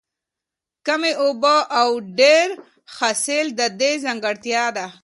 کمې اوبه او ډېر حاصل د دې ځانګړتیا ده.